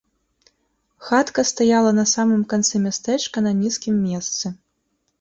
Хатка стаяла на самым канцы мястэчка на нізкім месцы.